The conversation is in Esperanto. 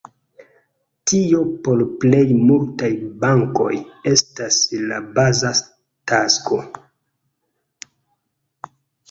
Tio por plej multaj bankoj estas la baza tasko.